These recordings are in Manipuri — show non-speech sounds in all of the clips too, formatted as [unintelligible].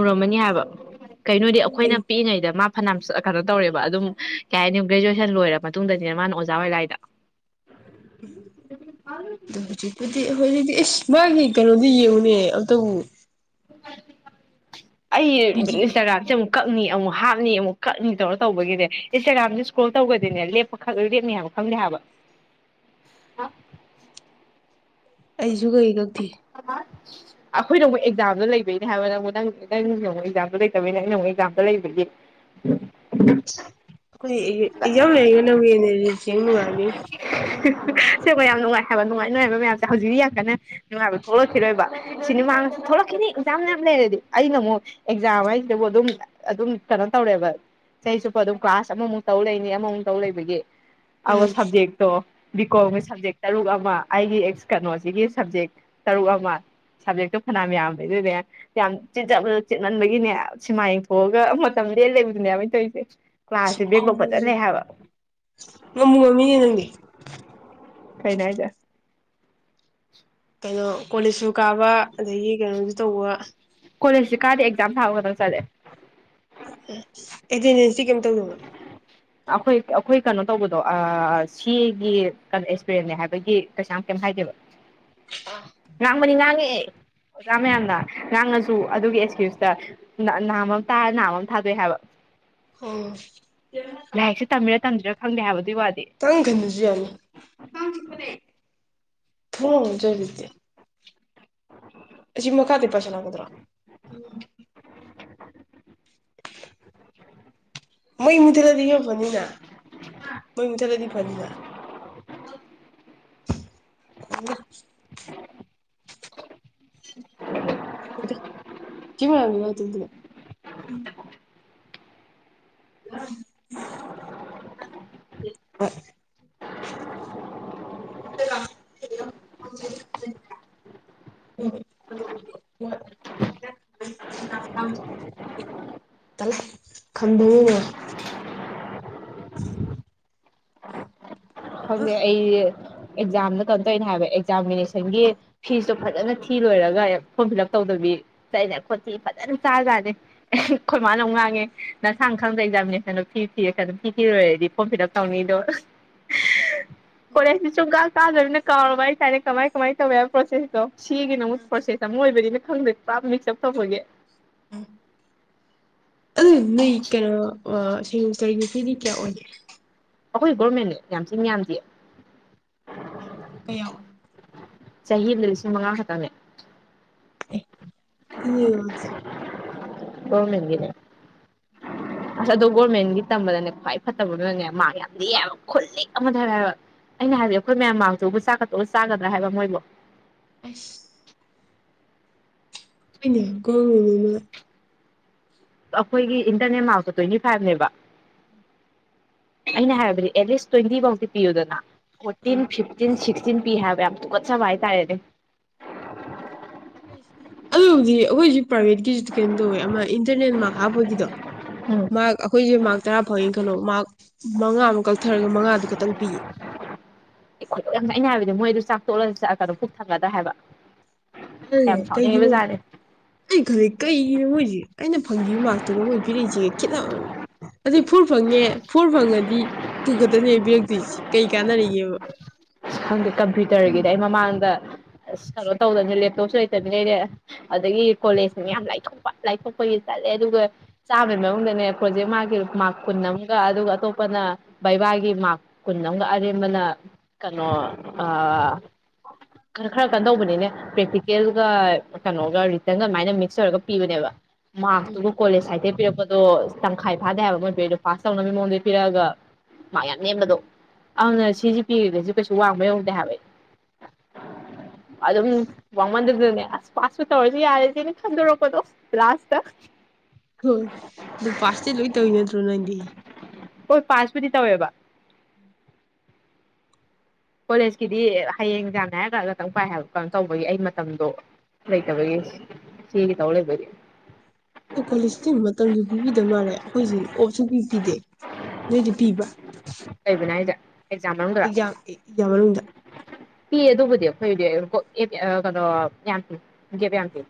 ꯎꯔꯝꯃꯅꯤ ꯍꯥꯏꯕ ꯀꯩꯅꯣꯗꯤ ꯈꯪꯗꯦ ꯑꯩꯈꯣꯏꯅ ꯄꯤꯛꯏꯉꯩꯗ ꯃꯥ ꯐꯅꯌꯥꯝꯁ ꯑ ꯀꯩꯅꯣ ꯇꯧꯔꯦꯕ ꯑꯗꯨꯝ ꯀꯩ ꯍꯥꯏꯅꯤ ꯒ꯭ꯔꯦꯖ꯭ꯋꯦꯁꯟ ꯂꯣꯏꯔ ꯃꯇꯨꯡꯗꯅꯤꯅ ꯃꯥꯅ ꯑꯣꯖꯥ ꯑꯣꯏ ꯂꯥꯛꯏꯗꯣ ꯎꯝ ꯑꯗꯨ ꯍꯧꯖꯤꯛ ꯄꯨꯗꯤ ꯍꯧꯖꯤꯛꯇꯤ ꯏꯁ ꯃꯥꯒꯤ ꯀꯩꯅꯣꯗꯤ ꯌꯦꯡꯉꯨꯅꯦ ꯑꯝꯇꯕꯨ ꯑꯩ ꯕꯤꯖꯤ ꯏꯟꯁꯇꯥꯒ꯭ꯔꯥꯝꯁꯦ ꯑꯃꯨꯛ ꯀꯛꯅꯤ ꯑꯃꯨꯛ ꯍꯥꯞꯅꯤ ꯑꯃꯨꯛ ꯀꯛꯅꯤ ꯇꯧꯔ ꯇꯧꯕꯒꯤꯅꯦ ꯏꯟꯁꯇꯥꯒ꯭ꯔꯥꯝꯖꯦ ꯏꯁꯀ꯭ꯔꯣꯜ ꯇꯧꯒ꯭ꯔꯗꯤꯅꯦ ꯂꯦꯞꯄ ꯈꯛꯂ ꯂꯦꯞꯅꯤ ꯍꯥꯏꯕ ꯈꯪꯗꯦ ꯍꯥꯏꯕ ꯑꯩꯖꯨ ꯒꯩ ꯒꯛꯇꯤ [unintelligible] ꯑꯈꯣꯏꯅ ꯑꯃꯨꯛ ꯑꯦꯛꯖꯥꯝꯗꯣ ꯂꯩꯕꯩꯅꯦ ꯍꯥꯏꯕ ꯅꯪꯕꯣ ꯅꯪ ꯅꯪꯒꯤ ꯑꯃꯨꯛ ꯑꯦꯛꯖꯥꯝꯗꯣ ꯂꯩꯇꯕꯩꯅꯦ ꯑꯩꯅ ꯑꯃꯨꯛ ꯑꯦꯛꯖꯥꯝꯗꯣ ꯂꯩꯕꯒꯤ [unintelligible] ꯑꯩꯈꯣꯏꯗꯤ ꯑꯦ ꯑꯦꯛꯖꯥꯝ ꯂꯩꯔꯒꯅꯕꯨ ꯍꯦꯟꯅ ꯔꯤꯖꯦꯡ ꯅꯨꯡꯉꯥꯏꯅꯤ ꯁꯦꯡꯕ ꯌꯥꯝ ꯅꯨꯡꯉꯥꯏ ꯍꯥꯏꯕ ꯅꯨꯡꯉꯥꯏ ꯅꯨꯡꯉꯥꯏꯕ ꯃꯌꯥꯝꯁꯦ ꯍꯧꯖꯤꯛꯤ ꯌꯥꯝ ꯀꯟꯅ ꯁꯤ ꯍꯥꯏꯕ ꯊꯣꯛꯂꯛꯈꯤꯔꯣꯏꯕ ꯁꯤꯅꯤꯃꯥꯁꯤ ꯊꯣꯛꯂꯛꯈꯤꯅꯤ ꯑꯦꯛꯖꯥꯝ ꯃꯌꯥꯝ ꯂꯩꯔꯗꯤ ꯑꯩꯅ ꯑꯃꯨꯛ ꯑꯦꯛꯖꯥꯝ ꯍꯥꯏꯁꯤꯗꯕꯨ ꯑꯗꯨꯝ ꯑꯗꯨꯝ ꯀꯩꯅꯣ ꯇꯧꯔꯦꯕ ꯆꯍꯤ ꯆꯨꯞꯄ ꯑꯗꯨꯝ ꯀ꯭ꯂꯥꯁ ꯑꯃꯃꯨꯛ ꯇꯧ ꯂꯩꯅꯤ ꯑꯃꯃꯨꯛ ꯇꯧ ꯂꯩꯕꯒꯤ ꯑꯧ ꯁꯕꯖꯦꯛꯇꯣ ꯕꯤꯀꯣꯝꯒꯤ ꯁꯕꯖꯦꯛ ꯇꯔꯨꯛ ꯑꯃ ꯑꯩꯒꯤ ꯑꯦꯛ ꯀꯩꯅꯣꯁꯤꯒꯤ ꯁꯞꯖꯦꯛ ꯇꯔꯨꯛ ꯑꯃ ꯁꯕꯖꯦꯛꯇꯣ ꯐꯅꯌꯥꯝ ꯌꯥꯝꯕꯩ ꯗꯨꯅꯦ ꯌꯥꯝ ꯆꯤꯟꯖꯥꯕꯗꯣ ꯆꯤꯟꯃꯟꯕꯒꯤꯅꯦ ꯁꯤꯃꯥ ꯌꯦꯡꯊꯣꯛꯑꯒ ꯃꯇꯝ ꯂꯦꯟ ꯂꯩꯕꯗꯨꯅꯦꯕꯅ ꯑꯩꯅ ꯇꯧꯔꯤꯁꯦ ꯀ꯭ꯂꯥꯁꯁꯦ ꯕꯦꯛꯂꯣꯛ ꯐꯖꯅ ꯂꯩ ꯍꯥꯏꯕ [inaudible] ꯉꯝꯒꯅꯤꯌꯦ ꯅꯪꯗꯤ ꯀꯩꯅꯣ ꯍꯥꯏꯖꯦ ꯀꯩꯅꯣ ꯀꯣꯂꯦꯖꯁꯨ ꯀꯥꯕ ꯑꯗꯒꯤ ꯀꯩꯅꯣꯖꯨ ꯇꯧꯕ ꯀꯣꯂꯦꯖꯁꯨ ꯀꯥꯗꯤ ꯑꯦꯛꯖꯥꯝ ꯊꯥꯕ ꯈꯛꯇꯪ ꯆꯠꯂꯦ ꯑꯦꯇꯦꯟꯗꯦꯟꯁꯇꯤ ꯀꯩꯝ ꯇꯧꯗꯕ꯭ꯔꯣ ꯑꯩꯈꯣꯏ ꯑꯩꯈꯣꯏ ꯀꯩꯅꯣ ꯇꯧꯕꯗꯣ ꯑꯥ ꯁꯤꯒꯤ ꯀꯩꯅꯣ ꯑꯦꯛꯁꯄꯤꯔꯦꯟꯅꯦ ꯍꯥꯏꯕꯒꯤ ꯀꯩꯁꯨ ꯌꯥꯝ ꯀꯩꯝ ꯍꯥꯏꯗꯦꯕ [inaudible] [inaudible] ꯉꯥꯡꯕꯅꯤ ꯉꯥꯡꯉꯦ ꯑꯣꯖꯥ ꯃꯌꯥꯝꯅ ꯉꯥꯡꯉꯁꯨ ꯑꯗꯨꯒꯤ ꯑꯦꯛꯁꯀ꯭ꯌꯨꯁꯇ ꯅꯥꯝꯃ ꯑꯃ ꯇꯥꯔ ꯅꯥꯝꯃ ꯑꯃ ꯊꯥꯗꯣꯛꯑꯦ ꯍꯥꯏꯕ ꯎꯝ ꯂꯥꯏꯔꯤꯛꯁꯦ ꯇꯝꯃꯤꯔꯥ ꯇꯝꯗ꯭ꯔꯤꯔꯥ ꯈꯪꯗꯦ ꯍꯥꯏꯕ ꯑꯗꯨꯏ ꯋꯥꯗꯤ ꯀꯥꯡꯒꯟ ꯈꯟꯗꯔꯁꯨ ꯌꯥꯅꯤ ꯀꯥꯡ ꯆꯤꯛꯄꯅꯦ ꯊꯣꯡꯂꯣꯟꯁꯤꯜꯂꯤꯖꯤꯗꯤ ꯑꯁꯤ ꯃꯈꯥꯗꯒꯤ ꯄꯥꯏꯁꯜꯂꯛꯀꯗ꯭ꯔꯣ [inaudible] [inaudible] ꯃꯩ ꯃꯨꯊꯠꯂꯗꯤ ꯈꯔꯥ ꯐꯅꯤꯅ ꯃꯩ ꯃꯨꯊꯠꯂꯗꯤ ꯐꯅꯤꯅ [inaudible] [unintelligible] [inaudible] ꯍꯣꯏ ꯍꯣꯏ [inaudible] ꯈꯟꯕꯤꯌꯣꯅꯦ [inaudible] ꯈꯪꯉꯦ ꯑꯩ ꯑꯦꯛꯖꯥꯝꯗ ꯀꯩꯅꯣ ꯇꯧꯔꯤꯅꯦ ꯍꯥꯏꯕ ꯑꯦꯛꯖꯥꯝꯃꯤꯅꯦꯁꯟꯒꯤ ꯐꯤꯁꯇꯣ ꯐꯥꯖꯅ ꯊꯤ ꯂꯣꯏꯔꯒ ꯐꯣꯔꯝ ꯐꯤꯂꯞ ꯇꯧꯗꯕꯤ ꯆꯠꯂꯤꯅꯦ ꯈꯣꯟꯊꯤ ꯐꯥꯖꯅ ꯆꯥꯖꯥꯠꯅꯤ ꯑꯩꯈꯣꯏ ꯃꯥꯅ ꯑꯃꯨꯛ ꯉꯥꯡꯉꯦ ꯅꯁꯥꯅ ꯈꯪꯗꯔ ꯑꯦꯛꯖꯥꯃꯤꯅꯦꯁꯟꯗꯣ ꯐꯤ ꯊꯤꯔꯀꯥꯟ ꯐꯤ ꯊꯤꯔꯣꯏꯔꯗꯤ ꯐꯣꯝ ꯐꯤꯂꯞ ꯇꯧꯅꯤꯗꯣ ꯀꯣꯂꯦꯖꯇꯤ ꯁꯨꯡꯀꯥ ꯀꯥꯗꯔꯥꯕꯅꯤꯅ ꯀꯥꯎꯔꯕ ꯍꯥꯏꯇꯔꯦ ꯀꯃꯥꯏ ꯀꯃꯥꯏ ꯇꯧꯋꯦ ꯍꯥꯏꯕꯥ ꯄ꯭ꯔꯣꯁꯦꯁ ꯑꯣ ꯁꯤꯒꯤꯅ ꯑꯃꯨꯛ ꯄ꯭ꯔꯣꯁꯦꯁ ꯑꯃ ꯑꯣꯏꯕꯅꯤꯅ ꯈꯪꯗ꯭ꯔꯦ ꯄꯨꯔꯥ ꯃꯤꯁ꯭ꯀ ꯑꯄ ꯇꯧꯕꯒꯤ [unintelligible] ꯃꯤ ꯀꯩꯅꯣ ꯑꯥ ꯁꯦꯃꯦꯁꯇꯔꯒꯤ ꯐꯤꯗꯤ ꯀꯌꯥ ꯑꯣꯏꯒꯦ ꯑꯩꯈꯣꯏꯗꯤ ꯒꯣꯔꯃꯦꯟꯅꯦ ꯌꯥꯝ ꯊꯤꯟ ꯌꯥꯝꯗꯤꯌꯦ ꯀꯌꯥ ꯑꯣꯏ ꯆꯍꯤ ꯑꯃꯗ ꯂꯤꯁꯤꯡ ꯃꯉꯥ ꯈꯛꯇꯪꯅꯦ ꯌꯦꯡꯉꯨꯖꯦ ꯒꯣꯔꯃꯦꯟꯒꯤꯅꯦ ꯑꯁ ꯑꯗꯣ ꯒꯣꯔꯃꯦꯟꯒꯤ ꯇꯝꯕꯗꯅꯦ ꯈ꯭ꯋꯥꯏ ꯐꯠꯇꯕ ꯑꯃꯅꯅꯦ ꯃꯥꯔꯛ ꯌꯥꯝ ꯂꯤꯛꯑꯦ ꯍꯥꯏꯕ ꯈꯨꯂꯤꯛ ꯑꯃꯅꯦ ꯍꯥꯏꯕ ꯑꯩꯅ ꯍꯥꯏꯕꯗꯤ ꯑꯩꯈꯣꯏ ꯃꯌꯥꯝ ꯃꯥꯔꯛꯇꯨꯕꯨ ꯆꯥꯛꯀ ꯇꯣꯠꯂꯒ ꯆꯥꯒꯗ꯭ꯔꯥ ꯍꯥꯏꯕ ꯃꯣꯏꯕꯨ ꯑꯁ [unintelligible] ꯑꯩꯈꯣꯏꯒꯤ ꯏꯟꯇꯔꯅꯦꯟ ꯃꯥꯔꯛꯇꯣ ꯇ꯭ꯋꯦꯟꯇꯤꯐꯥꯏꯞꯅꯦꯕ ꯑꯩꯅ ꯍꯥꯏꯕꯗꯤ ꯑꯦꯠꯂꯤꯁ ꯇ꯭ꯋꯦꯟꯇꯤꯕꯧꯗꯤ ꯄꯤꯌꯨꯗꯅ ꯐꯣꯔꯇꯤꯟ ꯐꯤꯞꯇꯤꯟ ꯁꯤꯛꯁꯇꯤꯟ ꯄꯤ ꯍꯥꯏꯕ ꯌꯥꯝ ꯇꯨꯀꯨꯠꯆꯕ ꯍꯥꯏꯇꯥꯔꯦꯅꯦ ꯑꯗꯨꯕꯨꯗꯤ ꯑꯈꯣꯏ ꯁꯤ ꯄ꯭ꯔꯥꯏꯚꯦꯠ ꯀꯤꯁꯤꯗꯤ ꯀꯩꯅꯣ ꯇꯧꯋꯦ ꯑꯃ ꯏꯟꯇꯔꯅꯦꯠ ꯃꯥꯛ ꯍꯥꯞꯄꯒꯤꯗꯣ ꯎꯝ ꯃꯥꯛ ꯑꯈꯣꯏꯖꯦ ꯃꯥꯛ ꯇꯔꯥ ꯐꯪꯉꯦ ꯈꯜꯂꯣ ꯃꯥꯛ ꯃꯉꯥ ꯑꯃꯨꯛ ꯀꯛꯊꯔꯒ ꯃꯉꯥꯗꯨ ꯈꯛꯇꯪ ꯄꯤꯌꯦ ꯑꯩ ꯈꯣꯏꯗꯧ ꯌꯥꯝ ꯆꯥꯛꯑꯦ ꯑꯩꯅ ꯍꯥꯏꯕꯗꯤ ꯃꯣꯏ ꯑꯗꯨ ꯆꯥꯛ ꯇꯣꯠꯂꯒ ꯆ ꯑ ꯀꯅꯣ ꯄꯨꯛ ꯊꯟꯒꯗ꯭ꯔ ꯍꯥꯏꯕ ꯑ ꯌꯥꯝ ꯀꯩꯒꯤꯅꯣ ꯁꯥꯎꯅꯤꯡꯉꯤꯕꯖꯥꯠꯅꯤ ꯑꯩ ꯈꯜꯂꯦ ꯀꯩꯒꯤꯅꯣ ꯃꯣꯏꯖꯦ ꯑꯩꯅ ꯐꯪꯒꯤꯕ ꯃꯥꯛꯇꯨꯒ ꯃꯣꯏ ꯄꯤꯔꯛꯏꯖꯤꯒ ꯈꯦꯠꯅꯕ ꯑꯗꯨ ꯐꯣꯔ ꯐꯪꯉꯦ ꯐꯣꯔ ꯐꯪꯉꯗꯤ ꯇꯨ ꯈꯠꯇꯅꯦ ꯄꯤꯔꯛꯇꯨꯏꯖꯦ ꯀꯩ ꯀꯥꯟꯅꯔꯤꯒꯦꯕ ꯑꯁ ꯈꯪꯗꯦ ꯀꯝꯄ꯭ꯌꯨꯇꯔꯒꯤꯗ ꯑꯩ ꯃꯃꯥꯡꯗ ꯑꯁ ꯀꯩꯅꯣ ꯇꯧꯗꯕꯅ ꯂꯦꯞꯇꯣꯞꯁꯨ ꯂꯩꯇꯕꯅꯤꯅ ꯑꯩꯗꯤ ꯑꯗꯒꯤ ꯀꯣꯂꯦꯖꯅ ꯌꯥꯝ ꯂꯥꯏꯊꯣꯛꯄ ꯂꯥꯏꯊꯣꯛꯄꯒꯤ ꯆꯠꯂꯦ ꯑꯗꯨꯒ ꯆꯥꯝꯃꯩ ꯃꯅꯨꯡꯗꯅꯦ ꯄ꯭ꯔꯣꯖꯦꯛ ꯃꯥꯛꯀꯤ ꯃꯥꯛ ꯀꯨꯟ ꯑꯃꯒ ꯑꯗꯨꯒ ꯑꯇꯣꯞꯄꯅ ꯕꯩꯕꯥꯒꯤ ꯃꯥꯛ ꯀꯨꯟ ꯑꯝꯒ ꯑꯔꯦꯝꯕꯅ ꯀꯅꯣ ꯑ ꯈꯔ ꯈꯔ ꯀꯟ ꯇꯧꯕꯅꯤꯅꯦ ꯄ꯭ꯔꯦꯛꯇꯤꯀꯦꯜꯒ ꯀꯅꯣꯒ ꯔꯤꯇꯔꯟꯒ ꯑꯗꯨꯃꯥꯏꯅ ꯃꯤꯛꯁ ꯇꯧꯔꯒ ꯄꯤꯕꯅꯦꯕ ꯎꯝ ꯃꯥꯔꯛꯇꯨꯒ ꯀꯣꯂꯦꯖ ꯁꯥꯏꯠꯇꯩ ꯄꯤꯔꯛꯄꯗꯣ ꯇꯪꯈꯥꯏ ꯐꯥꯗꯦ ꯍꯥꯏꯕ ꯃꯣꯏ ꯄꯤꯔꯛꯏꯗꯣ ꯄꯥꯁ ꯇꯧꯅꯕꯩ ꯃꯑꯣꯡꯗꯤ ꯄꯤꯔꯛꯑꯒ ꯃꯥꯛ ꯌꯥꯝ ꯅꯦꯝꯕꯗꯣ ꯑꯗꯨꯅ ꯁꯤꯖꯦ ꯄꯤꯔꯒꯖꯨ ꯀꯩꯁꯨ ꯋꯥꯡꯕ ꯌꯧꯗꯦ ꯍꯥꯏꯕ ꯑꯩ ꯑꯗꯨꯝ ꯋꯥꯃꯟꯗꯗꯅꯦ ꯑꯁ ꯄꯁꯄꯨ ꯇꯧꯔꯗꯤ ꯌꯥꯔꯗꯤꯅ ꯈꯟꯗꯣꯔꯛꯄꯗꯣ ꯂꯥꯁꯇ ꯍꯣꯏ ꯗꯨ ꯄꯥꯁꯇꯤ ꯂꯣꯏ ꯇꯧꯋꯤ ꯅꯠꯇ꯭ꯔꯣ ꯅꯪꯗꯤ ꯍꯣꯏ ꯄꯥꯁꯄꯨꯗꯤ ꯇꯧꯋꯦꯕ ꯀꯣꯂꯦꯖꯀꯤꯗꯤ ꯍꯌꯦꯡ ꯑꯦꯡꯖꯥꯝꯅꯦ ꯍꯥꯏꯔꯀꯟꯗ ꯈꯇꯪ ꯄꯥꯏ ꯍꯥꯏꯕ ꯀꯅꯣ ꯇꯧꯕꯒꯤ ꯑꯩ ꯃꯇꯝꯗꯣ ꯂꯩꯇꯕꯒꯤ ꯁꯤꯒꯤ ꯇꯧ ꯂꯩꯕꯒꯤ ꯗꯣ ꯀ꯭ꯋꯥꯂꯦꯁꯇꯤ ꯃꯇꯝꯁꯨ ꯄꯤꯕꯤꯗ ꯃꯥꯜꯂꯦ ꯑꯈꯣꯏꯖꯤ ꯑꯣꯞ ꯁꯨꯄꯤ ꯄꯤꯗꯦ ꯅꯣꯏꯗꯤ ꯄꯤꯕ꯭ꯔꯥ ꯀꯩꯕꯨꯅꯣ ꯍꯥꯏꯖꯦ ꯑꯦꯛꯖꯥꯝ ꯃꯅꯨꯡꯗꯔꯣ ꯑꯦꯛꯖꯥꯝ ꯑꯦꯛꯖꯥꯝ ꯃꯅꯨꯡꯗ ꯄꯤ ꯑꯗꯨꯕꯨꯗꯤ ꯑꯈꯣꯏꯗꯤ ꯀꯣꯛ ꯑꯦꯞ ꯑ ꯀꯩꯅꯣ ꯌꯥꯝ ꯒꯦꯞ ꯌꯥꯝ ꯄꯤ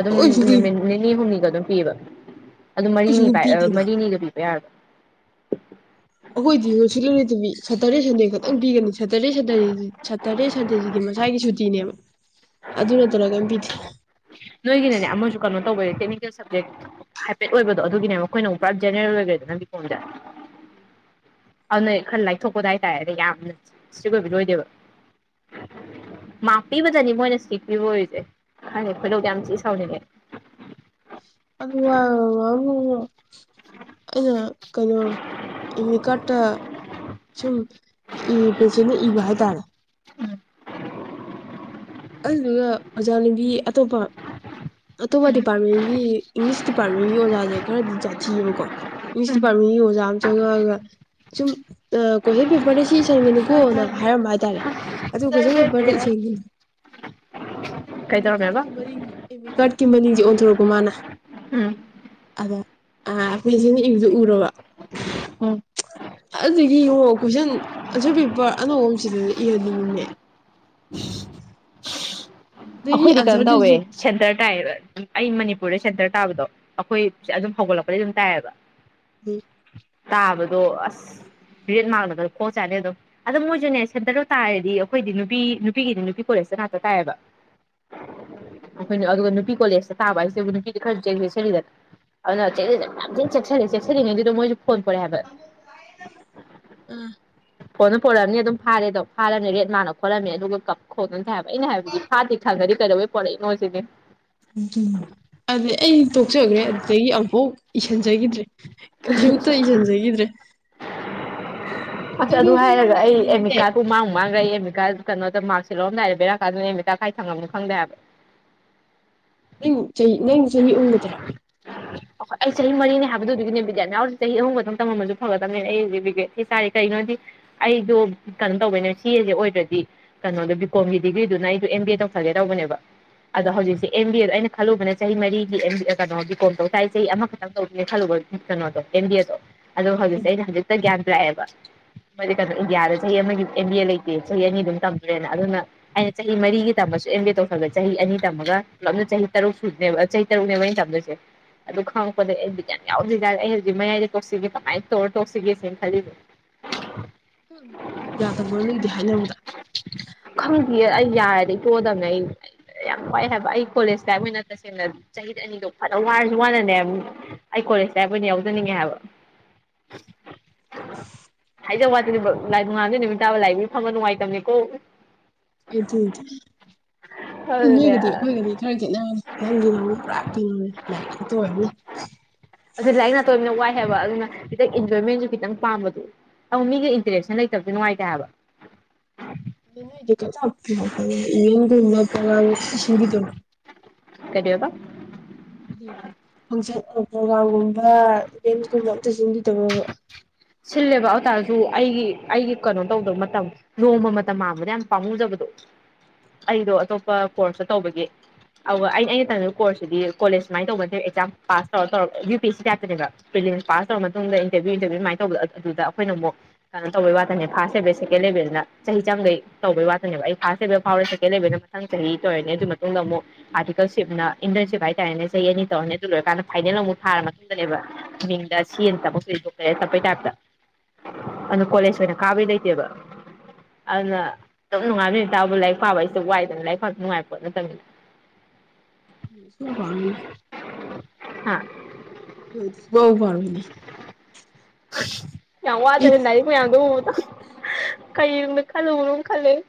ꯑꯗꯨꯝ ꯑꯩꯈꯣꯏꯁꯨ ꯅꯨꯃꯤꯠ ꯅꯤꯅꯤ ꯍꯨꯝꯅꯤꯒ ꯑꯗꯨꯝ ꯄꯤꯌꯦꯕ ꯑꯗꯨꯝ ꯃꯔꯤꯅꯤ ꯑꯩꯈꯣꯏꯁꯨ ꯄꯥꯏ ꯑ ꯄꯤꯗꯦꯅ ꯃꯔꯤꯅꯤꯒ ꯄꯤꯕ ꯌꯥꯔꯕ ꯑꯈꯣꯏꯗꯤ ꯅꯨꯡꯁꯤꯠꯂꯔꯣꯏꯗꯕꯤ ꯁꯇꯔꯗꯦ ꯁꯟꯗꯦ ꯈꯛꯇꯪ ꯄꯤꯒꯅꯤ ꯁꯇꯔꯗꯦ ꯁꯇꯔ ꯁꯇꯔꯗꯦ ꯁꯟꯗꯦꯁꯤꯗꯤ ꯃꯁꯥꯒꯤ ꯁꯨꯇꯤꯅꯦꯕ ꯑꯗꯨ ꯅꯠꯇꯅ ꯀꯔꯤꯝ ꯄꯤꯗꯦ ꯅꯣꯏꯒꯤꯅꯅꯦ ꯑꯃꯁꯨ ꯀꯅꯣ ꯇꯧꯕꯩ ꯇꯦꯛꯅꯤꯀꯦꯜ ꯁꯕꯖꯦꯛ ꯍꯥꯏꯐꯦꯠ ꯑꯣꯏꯕꯗꯣ ꯑꯗꯨꯒꯤꯅꯦꯕ ꯑꯈꯣꯏꯅꯃꯨꯛ ꯄꯨꯔꯥ ꯖꯦꯅꯦꯔꯦꯜ ꯑꯣꯏꯒ꯭ꯔꯦꯗꯅ ꯕꯤ ꯀꯣꯝꯖꯦ [unintelligible] ꯑꯗꯨꯅ ꯈꯔ ꯂꯥꯏꯊꯣꯛꯄꯗ ꯍꯥꯏꯇꯥꯔꯦ ꯑꯗ ꯌꯥꯝꯅ ꯏꯇ꯭ꯔꯤꯛ ꯑꯣꯏꯕꯗꯣ ꯑꯣꯏꯗꯦꯕ ꯃꯥꯛ ꯄꯤꯕꯗꯅꯤ ꯃꯣꯏꯅ ꯆꯤꯞ ꯄꯤꯕ ꯑꯣꯏꯔꯤꯖꯦ ꯈꯪꯗꯦ ꯈꯣꯏꯗꯧꯗꯤ ꯌꯥꯝ ꯊꯤ ꯁꯥꯎꯅꯤꯡꯉꯦ [unintelligible] ꯑꯩꯅ ꯀꯩꯅꯣ ꯏꯃꯤꯀ꯭ꯔꯥꯠ ꯇ ꯁꯨꯝ ꯏ ꯄꯦꯁꯤꯟꯅ ꯏꯕ ꯍꯥꯏꯇꯥꯔꯦ ꯎꯝ ꯑꯗꯨꯗꯨꯒ ꯑꯣꯖꯥꯅꯦꯝꯕꯤ ꯑꯇꯣꯞꯄ ꯑꯇꯣꯞꯄ ꯗꯤꯄꯥꯔꯠꯃꯦꯟꯒꯤ ꯏꯪꯂꯤꯁ ꯗꯤꯄꯥꯔꯠꯃꯦꯟꯒꯤ ꯑꯣꯖꯥꯖꯦ ꯈꯔꯗꯤ ꯖꯥꯠ ꯁꯥꯥꯊꯤꯌꯦꯕꯀꯣ ꯏꯤꯡꯂꯤꯁ ꯗꯤꯄꯥꯔꯠꯃꯦꯟꯒꯤ ꯑꯣꯖꯥ ꯑꯃ ꯆꯪꯉꯛꯑꯒ ꯁꯨꯝ ꯑꯥ ꯀꯣꯏꯁꯟ ꯄꯦꯄꯔꯗ ꯁꯤ ꯏꯁꯟꯒꯅꯨꯀꯣꯅ ꯍꯥꯏꯔꯝꯕ ꯍꯥꯏꯇꯥꯔꯦ ꯑꯗꯨ ꯀꯣꯏꯁꯟ ꯄꯦꯄꯔꯗ [unintelligible] ꯀꯩ ꯑꯦꯃꯤ ꯇꯧꯔꯝꯃꯦꯕ ꯀꯥꯔꯠꯀꯤ ꯃꯅꯤꯡ ꯑꯦꯃꯤ ꯀꯥꯔꯠꯀꯤ ꯃꯅꯤꯡꯖꯦ ꯑꯣꯟꯊꯣꯔꯛꯄ ꯃꯥꯅ ꯎꯝ ꯑꯗ ꯑꯥ ꯄꯦꯁꯤꯟꯅ ꯏꯕꯖꯦ ꯎꯔꯕ [unintelligible] ꯑꯗꯨꯗꯨꯒꯤꯉꯣ ꯀꯣꯏꯁꯟ ꯑꯟꯁꯔ ꯄꯦꯄꯔ ꯑꯅꯧꯕꯃ ꯁꯤꯟꯂ ꯏꯍꯜꯂꯤꯅꯤꯅꯦ ꯎꯝ ꯑꯩꯈꯣꯏꯗꯤ ꯀꯩꯅꯣꯝ ꯇꯧꯋꯦ ꯑꯟꯁꯔꯗꯨꯁꯨ ꯁꯦꯟꯇꯔ ꯇꯥꯏꯕ ꯑꯩ ꯃꯅꯤꯄꯨꯔꯗ ꯁꯦꯟꯇꯔ ꯇꯥꯕꯗꯣ ꯑꯩꯈꯣꯏꯦ ꯑꯗꯨꯝ ꯍꯧꯒꯠꯂꯛꯄꯗꯤ ꯑꯗꯨꯝ ꯇꯥꯏꯌꯦꯕ ꯎꯝ ꯇꯥꯕꯗꯣ ꯑꯁ ꯔꯦꯠ ꯃꯥꯡꯂꯒꯅ ꯈꯣꯡ ꯆꯥꯅꯤ ꯑꯗꯨꯝ ꯑꯗꯣ ꯃꯣꯏꯁꯨꯅꯦ ꯁꯦꯟꯇꯔꯣ ꯇꯥꯔꯗꯤ ꯑꯩꯈꯣꯏꯗꯤ ꯅꯨꯄꯤ ꯅꯨꯄꯤꯒꯤꯗꯤ ꯅꯨꯄꯤ ꯀꯣꯂꯦꯖꯇ ꯉꯥꯛꯇ ꯇꯥꯏꯌꯦꯕ ꯑꯩꯈꯣꯏꯅ ꯑꯗꯨꯒ ꯅꯨꯄꯤ ꯀꯣꯂꯦꯖꯇ ꯇꯥꯕ ꯍꯥꯏꯁꯤꯦꯕꯨ ꯅꯨꯄꯤꯗ ꯈꯔꯁꯨ ꯁꯦꯔꯤꯗ ꯑꯗꯨꯅ ꯌꯥꯝ ꯆꯦ ꯆꯦꯛꯁꯤꯜꯂꯤꯉꯩ ꯑꯗꯨꯗꯣ ꯃꯣꯏꯁꯨ ꯐꯣꯠ ꯄꯥꯅꯤ ꯍꯥꯏꯕ ꯐꯣꯟꯅ ꯄ ꯄꯨꯣꯔꯛꯑꯅꯤ ꯑꯗꯨꯝ ꯐꯥꯔꯦꯗꯣ ꯐꯥꯔꯝꯃꯦ ꯔꯦꯠ ꯃꯥꯅ ꯈꯣꯠꯂꯝꯃꯦ ꯑꯗꯨꯒ ꯀꯞ ꯈꯣꯠꯅꯗꯤ ꯍꯥꯏꯕ ꯑꯩꯅ ꯍꯥꯏꯕꯗꯤ ꯐꯥꯗꯦ ꯈꯪꯗꯗꯤ ꯀꯩꯗꯧꯕꯩ ꯄꯨꯔꯛꯏꯅꯣ ꯁꯤꯅꯤ ꯎꯝ ꯎꯝ ꯑꯗꯨꯗ ꯑꯩ ꯇꯣꯛꯆꯈ꯭ꯔꯦ ꯑꯗꯨꯗꯒꯤ ꯑꯕꯣꯛ ꯏꯁꯤꯟꯖꯈꯤꯗ꯭ꯔꯦ ꯑꯃꯨꯛꯇ ꯏꯁꯤꯟꯖꯈꯤꯗ꯭ꯔꯦ ꯑꯁ ꯑꯗꯨ ꯀꯩꯅꯣꯝꯒ ꯍꯥꯏꯔꯒ ꯌꯥꯎꯅ ꯑꯩ ꯏꯔꯤꯅꯤꯅꯦ ꯑꯦꯃꯤꯀꯥꯗꯨꯣ ꯃꯥꯡ ꯃꯥꯡꯈ꯭ꯔ ꯑꯩ ꯑꯦꯝꯃꯤꯀꯥꯗ ꯀꯩꯅꯣꯗ ꯃꯥꯔꯁꯦꯔꯝꯗꯥꯏꯦ ꯕꯔꯀꯥꯟꯗꯅꯦꯅꯃꯤꯥꯡꯈꯥꯏ ꯊꯉꯝꯅꯤ ꯈꯪꯗꯦ ꯍꯥꯏꯕ ꯅꯪ ꯆꯍꯤ ꯅꯪ ꯆꯍꯤ ꯑꯨꯝꯒꯗ꯭ꯔꯥ ꯑꯩꯈꯣꯏ ꯑꯩ ꯆꯍꯤ ꯃꯔꯤꯅꯦ ꯍꯥꯏꯕꯗꯨꯒꯤꯅꯦ ꯕꯤꯗꯦꯠ ꯅꯍꯎꯗꯤ ꯆꯍꯤ ꯑꯍꯨꯝ ꯈꯛꯇꯪ ꯇꯝꯃꯜꯁꯨ ꯐꯒꯗꯕꯅꯦ ꯑꯩꯗꯤ ꯕꯤ ꯆꯔꯦ ꯀꯔꯤꯅꯣꯗꯤ ꯑꯩꯗꯣ ꯀꯩꯅꯣ ꯇꯧꯕꯅꯦ ꯆꯁꯦ ꯑꯣꯏꯗ꯭ꯔꯗꯤ ꯀꯩꯅꯣꯗꯣ ꯕꯤ ꯀꯣꯝꯒꯤ ꯗꯤꯒ꯭ꯔꯤꯗꯨꯅ ꯑꯩꯗꯣ ꯑꯦꯝ ꯕꯤ ꯑꯦ ꯇꯧꯁꯜꯒꯦ ꯇꯧꯕꯅꯦꯕ ꯑꯗꯣ ꯍꯧꯖꯤꯛꯁꯦ ꯑꯦꯝ ꯕꯤ ꯑꯦꯗꯣ ꯑꯩꯅ ꯈꯜꯂꯨꯕꯅ ꯆꯍꯤ ꯃꯔꯤꯒꯤ ꯀꯩꯅꯣꯒꯤ ꯀꯣꯝ ꯇꯧ ꯇꯥꯏ ꯆꯍꯤ ꯑꯃꯈꯛ ꯈꯜꯂꯨꯕ ꯀꯩꯅꯣꯗꯣ ꯀꯦꯟꯗꯤ ꯑꯗꯣ ꯑꯗꯨꯒꯣ ꯍꯧꯖꯤꯛꯁꯦ ꯑꯩꯅ ꯍꯧꯖꯤꯛꯇ ꯒ꯭ꯌꯥꯟ ꯂꯥꯛꯑꯦꯕ ꯃꯣꯏꯗꯤ ꯀꯩꯅꯣ ꯏꯟꯗꯤꯌꯥꯗ ꯆꯍꯤ ꯑꯃꯒꯤ ꯑꯦꯝ ꯕꯤ ꯑꯦ ꯂꯩꯇꯦ ꯆꯍꯤ ꯑꯅꯤ ꯑꯗꯨꯝ ꯇꯝꯗ꯭ꯔꯦꯅ ꯑꯗꯨꯅ ꯑꯩꯅ ꯆꯍꯤ ꯃꯔꯤꯒꯤ ꯇꯃꯁꯨ ꯑꯦꯝ ꯑꯦ ꯇꯧꯈꯜꯂꯦ ꯆꯍꯤ ꯑꯅꯤ ꯇꯝꯃꯒ ꯂꯂꯞꯅ ꯆꯍꯤ ꯇꯔꯨꯛ ꯁꯨꯅꯦꯕ ꯇꯔꯨꯅꯦꯩꯅ ꯇꯝꯗꯣꯏꯁꯦ ꯑꯗꯨ ꯈꯪ ꯗ ꯑꯩ ꯗꯤꯌꯥ ꯌꯥꯎꯗꯔꯤꯖꯥꯔ ꯑꯩ ꯍꯧꯛ ꯃꯌꯥꯏꯗ ꯇꯣꯛꯁꯤꯒꯦ ꯀꯃꯥꯏꯅ ꯇꯧꯔ ꯇꯣꯛꯁꯤꯒꯦꯅ ꯈꯜꯂꯤꯕꯣ [unintelligible] ꯌꯥꯗꯕ꯭ꯔꯣ ꯅ‌ꯣꯏꯗꯦ ꯍꯥꯏꯅꯕꯗ ꯈꯪꯗꯌꯦ ꯑꯩ ꯌꯥꯔꯗꯤꯩ ꯄꯣꯗꯕꯅꯦ ꯑꯩ ꯌꯥꯝ ꯋꯥꯏ ꯍꯥꯏꯕ ꯑꯩ ꯀꯣꯂꯦꯖ ꯂꯥꯏꯞ ꯑꯣꯏꯅ ꯇꯁꯦꯡꯅ ꯆꯍꯤꯠ ꯑꯅꯤꯗꯣ ꯐꯖ ꯋꯥꯔꯁꯨ ꯋꯥꯅꯅꯦ ꯑꯩ ꯀꯣꯂꯦꯖꯇ ꯑꯩꯕꯣꯏꯅ ꯌꯥꯎꯖꯅꯤꯡꯉꯦ ꯍꯥꯏꯕ ꯍꯥꯏꯖꯕ ꯋꯥꯠꯅꯦ ꯂꯥꯏ ꯅꯨꯡꯉꯥꯗꯣꯏ ꯅꯨꯃꯤꯠ ꯇꯥꯕ ꯂꯥꯏꯕꯒꯤ ꯐꯪꯕ ꯅꯨꯡꯉꯥꯏꯇꯕꯅꯤꯀꯣ ꯑꯩꯗꯤꯗꯤ ꯎꯝ ꯑꯗꯨꯅꯦ ꯍꯣꯏꯒꯗꯤ ꯍꯣꯏꯒꯗꯤ ꯈꯔ ꯌꯦꯠꯅꯕꯔꯦ ꯅꯪꯒꯤ ꯅꯨ ꯄꯨꯔꯥ ꯀꯤꯅꯧꯔꯦ ꯂꯥꯏꯔꯤꯛ ꯈꯥꯎꯛꯇ ꯑꯣꯏꯔꯅꯤ ꯑꯗꯨ ꯂꯥꯏꯔꯤꯛ ꯅꯥꯇꯣꯏꯝꯅ ꯋꯥꯏꯑꯦꯕ ꯑꯗꯨꯅ ꯈꯤꯇꯪ ꯏꯟꯖꯣꯏꯃꯦꯟꯁꯨ ꯈꯤꯇꯪ ꯄꯥꯝꯕꯗꯨ ꯑꯧ ꯃꯤꯒꯤ ꯏꯟꯇꯔꯦꯛꯁꯟ ꯂꯩꯇꯕꯗꯤ ꯅꯨꯡꯉꯥꯏꯇꯥꯏꯑꯕ ꯅꯣꯏꯗꯤ ꯏꯟꯒꯨꯝꯕ ꯄꯉꯥ ꯁꯤꯟꯕꯤꯗꯧ ꯀꯔꯤꯕ ꯍꯥꯏꯗꯤ ꯐꯪꯁꯟ ꯄ꯭ꯔꯣꯒꯥ꯭ꯔꯝꯒꯨꯝꯕ ꯏꯚꯦꯟꯁꯀꯨꯝꯕ ꯑꯝꯇꯁꯤꯡꯗꯤ ꯇꯧꯅꯕ ꯁꯤꯜꯂꯦꯕ ꯑꯇꯥꯔꯁꯨ ꯑꯩꯒꯤ ꯑꯩꯒꯤ ꯀꯩꯅꯣ ꯇꯧꯗꯕ ꯃꯇꯝ ꯅꯣꯡꯃ ꯃꯇꯝ ꯃꯥꯡꯥꯟꯕꯗ ꯌꯥꯝ ꯄꯥꯝꯃꯨꯖꯕꯗꯣ ꯑꯩꯗꯣ ꯑꯇꯣꯞꯄ ꯀꯣꯔꯁꯇ ꯇꯧꯕꯒꯤ ꯑꯗꯨꯒ ꯑꯩꯅ ꯑꯩꯅ ꯇꯝꯃꯤꯕ ꯀꯣꯔꯁꯁꯤꯗꯤꯣꯂꯦꯖ ꯁꯨꯃꯥꯏ ꯇꯧꯕ ꯅꯦ ꯑꯦꯛꯥꯝꯥꯁ ꯇꯧꯔ ꯇꯧꯔꯒ U P S C ꯇꯥꯏꯞꯇꯅꯦꯕ pass pass ꯇꯧ ꯃꯇꯨꯡ ꯏꯟꯔꯚꯤꯌꯨ ꯏꯟꯇꯚꯤꯌꯨꯃꯥꯏ ꯇꯧꯕꯗ ꯑꯗꯨꯗꯈꯣꯏꯅ ꯑꯃꯨꯛ ꯀꯩꯅꯣ ꯇꯧꯕꯩ ꯋꯥꯇꯅꯦ ꯐꯔ ꯂꯦꯚꯦꯜ ꯁꯦꯀꯦꯟ ꯂꯦꯚꯦꯜꯅ ꯆꯍꯤ ꯆꯥꯝꯈꯩ ꯇꯧꯕꯩ ꯋꯥꯇꯅꯦꯕ ꯑꯩ ꯐꯥꯔꯁ ꯂꯦꯚꯦꯜ ꯐꯥꯎꯔꯦ ꯁꯦꯀꯦꯟ ꯂꯦꯜ ꯃꯊꯪ ꯆꯍꯤ ꯇ ꯑꯣꯏꯔꯅꯦ ꯑꯗꯨ ꯃꯇꯨꯡꯗ ꯑꯃꯨꯛ ꯑꯥꯔꯇꯤꯀꯜꯁꯤꯞꯅ ꯏꯟꯇꯔꯟꯁꯤꯞ ꯍꯥꯏꯇꯥꯔꯦꯅꯦ ꯆꯍꯤ ꯑꯅꯤ ꯇꯧꯔꯅꯦ ꯑꯗꯨ ꯂꯣꯏꯔꯀꯥꯟꯗ ꯐꯥꯏꯅꯦꯜ ꯑꯃꯨꯛ ꯐꯥꯔ ꯃꯇꯨꯡꯗꯅꯦꯕ ꯃꯤꯡꯗ ꯁꯤ ꯑꯦꯝ ꯇꯞꯄ꯭ꯀ꯭ꯇ꯭ꯔꯤ [unintelligible] ꯗ ꯑꯗꯣ ꯀꯣꯂꯦꯁ ꯑꯣꯏꯅ ꯀꯥꯕꯗꯤ ꯂꯩꯇꯦꯕ ꯑꯗꯨꯅ ꯑꯗꯨꯝ ꯅꯨꯡꯉꯥꯟꯕꯗꯩꯩ ꯅꯨꯃꯤꯠ ꯇꯥꯕꯧꯕ ꯂꯥꯏꯔꯤꯛ ꯄꯥꯕ ꯑꯩꯁꯦ ꯋꯥꯏꯗꯅ ꯂꯥꯏꯔꯤꯛ ꯄꯥꯕ ꯅꯨꯡꯉꯥꯏꯕ ꯄꯣꯠ ꯅꯠꯇꯝꯅꯤꯅ [inaudible] [unintelligible] ꯍꯥꯥ ꯍꯨꯝ ꯕꯧ ꯄꯥꯔꯨꯏꯅꯦ ꯌꯥꯝ ꯋꯥꯗꯣꯔꯦ ꯂꯥꯏꯔꯤꯛ ꯃꯌꯥꯝꯗꯣ ꯎꯕꯗ ꯀꯩ ꯅꯨꯡꯗ ꯈꯜꯂꯨꯕꯅꯣ ꯈꯜꯂꯛꯑꯦ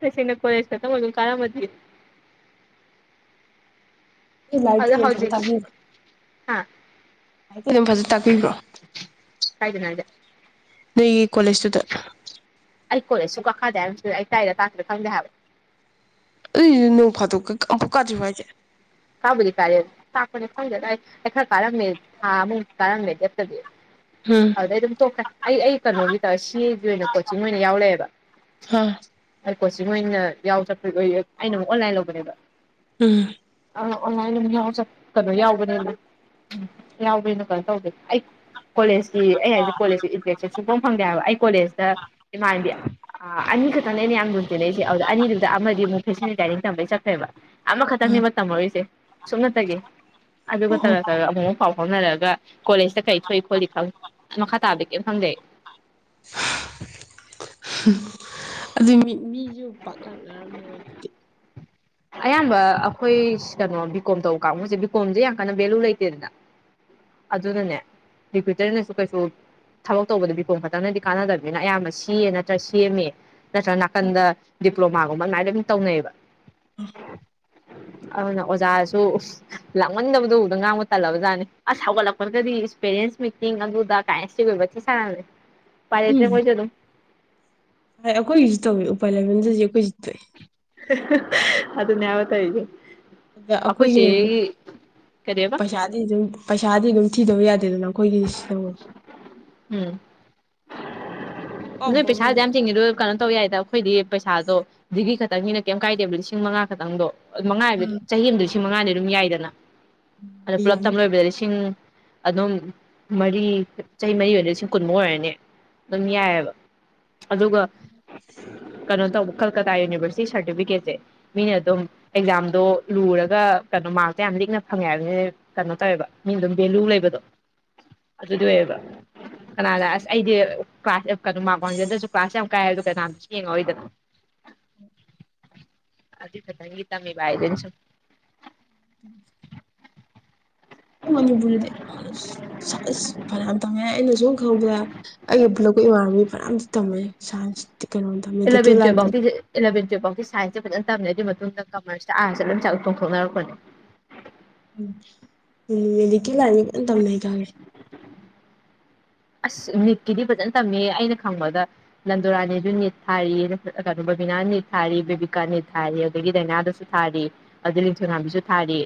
ꯇꯁꯦꯡ ꯅ ꯀꯣꯖꯦꯇ ꯃ [unintelligible] ꯀꯔꯝꯃꯗꯤ꯫ ꯅꯣꯏ ꯂꯥꯏꯔꯤꯛꯇꯤ ꯑꯗꯣ ꯑꯗꯨꯝ ꯐꯖꯅ ꯍꯧꯖꯤꯛꯁꯤ ꯍꯥ [unintelligible] ꯃꯣꯏꯗꯨꯝ ꯐꯖꯟ ꯇꯥꯛꯄꯤꯕ꯭ꯔꯣ ꯀꯥꯏꯗꯅꫭ ꯍꯥꯏꯁꯖꯦ ꯅꯣꯏꯒꯤ ꯀꯣꯂꯦꯁꯇꯨꯗ ꯑꯩ ꯀꯣꯂꯦꯖ ꯁꯨꯀꯥ ꯀꯥꯗꯦ ꯍꯥꯏꯃꯇꯗ ꯑꯩ ꯇꯥꯛꯏꯔꯥ ꯇꯥꯛꯇꯔ꯭ꯤꯔ ꯈꯪꯗꯦ ꯍꯥꯏꯕ ꯑꯗꯨꯏ ꯅꯣꯡ ꯐꯥꯗꯣꯛꯀ ꯑꯃꯨꯝꯐꯛ ꯀꯥꯗ꯭ꯔꯤꯕꯣ ꯍꯥꯏꯖꯦ ꯀꯥꯕꯨꯗꯤ ꯀꯥꯌꯦ ꯇꯥꯛꯄꯗꯤ ꯈꯪꯗꯦꯗꯥ ꯑꯩ ꯈꯔ ꯀꯥꯔꯝꯃꯦ ꯊꯥ ꯑꯃꯨꯛ ꯀꯥꯔꯝꯃꯦ ꯂꯦꯞꯇꯕꯤ ꯎꯝ ꯑꯗꯨꯗꯩ ꯑꯗꯨꯝ ꯇꯣꯛꯈ꯭ꯔꯦ ꯑꯩ ꯑꯩ ꯀꯩꯅꯣꯒꯤ ꯇꯥ ꯁꯤ ꯑꯦꯒꯤ ꯑꯣꯏꯅ ꯀꯣꯆꯤꯡ ꯑꯣꯏꯅ ꯌꯥꯎ ꯂꯩꯔꯦꯕ ꯍꯥ ꯑꯩ ꯀꯣꯆꯤꯡ ꯑꯣꯏꯅ ꯌꯥꯎ ꯆꯠꯄꯩ ꯑꯣꯏꯔ ꯑꯩꯅ ꯑꯃꯨꯛ ꯑꯣꯟꯂꯥꯏꯟ ꯂꯧꯕꯅꯦꯕ ꯎꯝ ꯑ ꯑꯣꯟꯂꯥꯏꯟ ꯑꯗꯨꯝ ꯌꯥꯎꯔ ꯆꯠꯀꯗ꯭ꯔꯥ ꯌꯥꯎꯕꯅꯦꯕ ꯎꯝ ꯌꯥꯎꯕ ꯑꯩꯅ ꯀꯩꯅꯣ ꯇꯧꯗꯦ ꯑꯩ ꯀꯣꯂꯦꯖꯀꯤ ꯑꯩ ꯍꯥꯏꯖꯦ ꯀꯣꯂꯦꯖꯀꯤ ꯏꯟꯇ꯭ꯔꯦꯛꯁꯟ ꯁꯨꯡꯐꯪ ꯐꯪꯗꯦ ꯍꯥꯏꯕ ꯑꯩ ꯀꯣꯂꯦꯖꯇ ꯏꯃꯥꯟꯅꯕꯤ ꯑ ꯑꯅꯤ ꯈꯇꯪꯅꯦ ꯑꯩꯅ ꯌꯥꯝ ꯂꯨꯅ ꯇꯤꯟꯅꯩꯖꯦ ꯑꯗꯨꯗ ꯑꯅꯤꯗꯨꯗ ꯑꯃꯗꯤꯃꯨꯛ [unintelligible] ꯗꯥꯏꯔꯦꯛ ꯇꯝꯕꯩ ꯆꯠꯈ꯭ꯔꯦꯕ ꯍꯥ ꯑꯃꯈꯛꯇꯪꯅꯦꯕ ꯇꯝꯃꯛꯏꯁꯦ ꯁꯨꯞꯅꯇꯒꯤ ꯑꯗꯨꯒ ꯑꯣ ꯇꯔꯛ ꯇꯔꯛ ꯑꯃꯨ ꯃꯨꯛ ꯄꯥꯎ ꯐꯥꯎꯅꯔꯒ ꯀꯣꯂꯦꯖꯇ ꯀꯔꯤ ꯊꯣꯛꯏ ꯈꯣꯠꯂꯤ ꯈꯡ ꯃꯈꯥ ꯇꯥꯕꯗꯤ ꯀꯩꯝ ꯈꯪꯗꯦ ꯑꯩ ꯑꯗꯨ ꯃꯤ ꯃꯤꯖꯨ ꯄꯥꯛ ꯂꯥꯛꯅꯔꯝꯃꯔꯣꯏ ꯑꯌꯥꯝꯕ ꯑꯩꯈꯣꯏ ꯀꯩꯅꯣ ꯕꯤ ꯀꯣꯝ ꯇꯧꯕ ꯀꯥꯡꯕꯨꯁꯦ ꯕꯤꯀꯣꯝꯁꯦ ꯌꯥꯝ ꯀꯟꯅ ꯚꯦꯂꯨ ꯂꯩꯇꯦꯗꯅ ꯑꯗꯨꯅꯅꯦ ꯗꯤꯀ꯭ꯋꯤꯇꯔꯅꯁꯨ ꯀꯩꯁꯨ ꯊꯕꯛ ꯇꯧꯕꯗ ꯕꯤꯄꯣꯝ ꯈꯇꯪꯅꯗꯤ ꯀꯥꯟꯅꯗꯕꯅꯤꯅ ꯑꯌꯥꯝꯕ ꯁꯤꯌꯦ ꯅꯠꯇ꯭ꯔ ꯁꯦꯝꯑꯦꯝꯑꯦ ꯅꯠꯇ꯭ꯔꯒ ꯅꯥꯀꯟꯗ ꯗꯤꯄ꯭ꯂꯣꯃꯥꯒꯨꯝꯕ ꯑꯗꯨꯃꯥꯏꯅ ꯑꯗꯨꯝ ꯇꯧꯅꯩꯌꯦꯕ ꯑꯗꯨꯅ ꯑꯣꯖꯥꯁꯨ ꯎꯁ ꯂꯥꯡꯃꯟꯗꯕꯗꯨ ꯎꯗ ꯉꯥꯡꯕ ꯇꯜꯂꯕꯖꯥꯠꯅꯤ ꯑꯁ ꯍꯧꯒꯠꯂꯛꯄ꯭ꯔꯒꯗꯤ ꯏꯁ ꯄꯦꯔꯦꯟꯁ ꯃꯤꯇꯤꯡ ꯑꯗꯨꯗꯥ ꯀꯥꯏ ꯁ꯭ꯇ꯭ꯔꯤꯛ ꯑꯣꯏꯕ ꯊꯤ ꯁꯥꯕꯅꯦ ꯎꯄꯥꯏ ꯂꯩꯇꯦ ꯃꯣꯏꯁꯨ ꯑꯗꯨꯝ ꯍꯥꯏ ꯑꯈꯣꯏꯒꯤꯁꯨ ꯇꯧꯋꯦ ꯎꯄꯥꯏ ꯂꯩꯃꯟꯗꯗꯤ ꯑꯈꯣꯏꯁꯨ ꯇꯣꯛꯑꯦ ꯍ ꯍ ꯍ ꯑꯗꯨꯅ‌ꯦ ꯍꯥꯏꯕ ꯇꯧꯏꯁ‌‌ꯦ ꯑꯗ ꯑꯈꯣꯏ ꯑꯩꯈꯣꯏꯒꯤꯅ ꯆ‌ꯦꯒꯤ ꯀꯔꯤꯕꯥ ꯗꯤ ꯑꯗꯨꯝ ꯄꯩꯁꯥꯗꯤ ꯑꯗꯨꯝ ꯊꯤꯗꯕ ꯌꯥꯗꯦꯗꯅ ꯑꯩꯈꯣꯏꯁꯤꯅ ꯃꯨꯛ ꯎꯝ ꯑꯄꯥꯝ ꯅꯣꯏ ꯄꯩꯁꯥ ꯑꯄꯥꯝꯕꯩꯅꯦ ꯑꯗꯨꯛꯌꯥꯝ ꯇꯤꯡꯉꯤꯗꯣ ꯀꯥꯟ ꯇꯧ ꯌꯥꯏꯗꯥ ꯑꯈꯣꯏꯗꯤ ꯄꯩꯁꯥꯗꯣ ꯗꯤꯒ꯭ꯔꯤ ꯈꯛꯇꯪꯒꯤꯅꯦ ꯀꯦꯝ ꯀꯥꯏꯗꯦꯕ ꯂꯤꯁꯤꯡ ꯃꯉꯥ ꯈꯛꯇꯪꯗꯣ ꯃꯉꯥꯏꯕꯤꯠ ꯎꯝ ꯆꯍꯤ ꯑꯃꯗ ꯂꯤꯁꯤꯡ ꯃꯉꯥꯅꯤ ꯑꯗꯨꯝ ꯌꯥꯏꯗꯅ ꯑꯗꯨ ꯄꯨꯂꯞ ꯇꯝ ꯌꯥꯅꯤ ꯂꯣꯏꯕꯗ ꯂꯤꯁꯤꯡ ꯑꯗꯨꯝ ꯃꯔꯤ ꯆꯍꯤ ꯃꯔꯤ ꯑꯣꯏꯔꯗꯤ ꯂꯤꯁꯤꯡ ꯀꯨꯟꯃꯛ ꯑꯣꯏꯔꯅꯤ ꯑꯗꯨꯝ ꯌꯥꯏꯕ ꯑꯗꯨꯒ ꯀꯩꯅꯣ ꯇꯧꯕ ꯀꯜꯀꯇꯥ ꯌꯨꯅꯤꯚꯔꯁꯤꯇꯤ ꯁꯥꯔꯇꯤꯐꯤꯀꯦꯠꯁꯦ ꯃꯤꯅ ꯑꯗꯨꯝ ꯑꯦꯛꯖꯥꯝꯗꯣ ꯂꯨꯔꯒ ꯀꯩꯅꯣ ꯃꯥꯛꯇ‌ꫭ ꯌꯥꯝ ꯂꯤꯛꯅ ꯐꯪꯉꯦ ꯍꯥꯏꯕꯅꯤ ꯀꯩꯅꯣ ꯇꯧꯋꯦꯕ ꯃꯤ ꯑꯗꯨꯝ ꯚꯦꯂꯨ ꯂꯩꯕꯗꯣ ꯑꯗꯨꯗꯣ ꯑꯣꯏꯌꯦꯕ ꯀꯅꯥꯅ ꯑꯁ ꯑꯩꯗꯤ ꯀ꯭ꯂꯥꯁ ꯑꯦꯞ ꯀꯩꯅꯣ ꯃꯥꯛ ꯋꯥꯡꯖꯗ꯭ꯔꯥꯁꯨ ꯀ꯭ꯂꯥꯁ ꯌꯥꯝ ꯀꯥꯏ ꯍꯥꯏꯕꯗꯣ ꯀꯅꯥꯅꯁꯨ ꯌꯦꯡꯉꯛꯑꯣꯏꯗꯅ ꯑꯗꯨꯏ ꯈꯇꯪꯒꯤ ꯇꯝꯃꯤꯕꯥ ꯍꯥꯏꯗꯨꯅꯤ ꯁꯨꯝ [unintelligible] ꯑꯗꯣ ꯃꯅꯤꯄꯨꯔꯅꯗꯤ ꯑꯁ ꯁꯥ ꯑꯁ ꯐꯅ꯭ꯌꯥꯝ ꯇꯝꯃꯦ ꯑꯩꯅ ꯁꯨꯝ ꯈꯪꯕꯗ ꯑꯩꯒ ꯄꯨꯂꯛꯄ ꯏꯃꯥꯟꯕꯤ ꯐꯅ꯭ꯌꯥꯝꯁꯨ ꯇꯝꯃꯦ ꯁꯥꯏꯟꯁꯇ ꯀꯩꯅꯣꯝ ꯇꯝ ꯃ‌ꯦꯗꯤꯀ‌ꯦꯜ ꯂꯥꯏꯟꯗ ꯏꯂꯕꯦꯟ ꯇꯨꯌꯦꯜꯞꯐꯥꯎꯇꯤ ꯁꯥꯏꯟꯁꯦ ꯐꯖꯅ ꯇꯝꯃꯦ ꯑꯗꯨꯏ ꯃꯇꯨꯡꯗ ꯀꯃꯔꯁꯇ ꯑꯥꯔꯁꯇ ꯂꯣꯏꯝ ꯆꯥꯎ ꯆꯣꯡꯊꯣꯛꯅꯔꯛꯄꯅꯦ ꯎꯝ ꯃ‌ꯦꯗꯤꯀ‌ꯦꯜ ꯂꯥꯏꯟꯖꯦ ꯐꯖꯟ ꯇꯝꯅꯩ ꯈꯪꯉꯦ ꯑꯁ ꯅꯤꯠꯀꯤꯗꯤ ꯐꯖꯅ ꯇꯝꯃꯦ ꯑꯩꯅ ꯈꯪꯕꯗ ꯂꯟꯗꯣꯔꯥꯅꯤꯗꯨꯨ ꯅꯤꯠ ꯊꯥꯔꯤ ꯑ ꯀꯩꯅꯣ ꯕꯕꯤꯅꯥ ꯅꯤꯠ ꯊꯥꯔꯤ ꯕꯦꯕꯤꯀꯥ ꯅꯤꯠ ꯊꯥꯔꯤ ꯑꯗꯒꯤ ꯗꯩꯅꯥꯗꯨꯁꯨ ꯊꯥꯔꯤ ꯑꯗꯩ ꯂꯤꯟꯊꯣꯏꯉꯥꯝꯕꯤꯁꯨ ꯊꯥꯔꯤ